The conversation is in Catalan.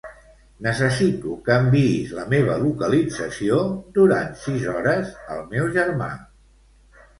Necessito que enviïs la meva localització durant sis hores al meu germà.